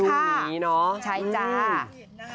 รุ่นนี้เนอะอืมใช่จ้ะค่ะไม่รู้ว่าได้ยินเสียง